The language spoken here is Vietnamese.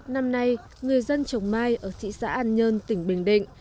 năm nay người dân chồng mai ở thị xã an nhân tỉnh bình định